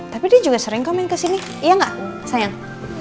tapi dia juga sering komen kesini iya nggak sayang